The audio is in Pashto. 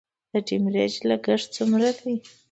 د ډیمریج لګښت څومره دی؟